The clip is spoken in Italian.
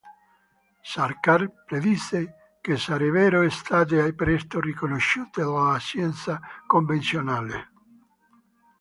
Sarkar predisse che sarebbero state presto riconosciute dalla scienza convenzionale.